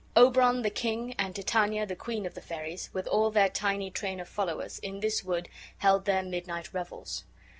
Oberon the king, and Titania the queen of the fairies, with all their tiny train of followers, in this wood held their midnight revels.